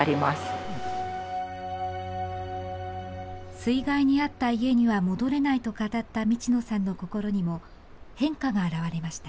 水害に遭った家には戻れないと語った道野さんの心にも変化が表れました。